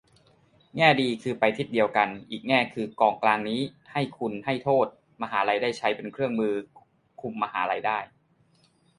แง่ดีคือไปทิศเดียวกัน อีกแง่คือกองกลางนี้ให้คุณให้โทษมหาลัยได้ ใช้เป็นเครื่องมือคุมมหาลัยได้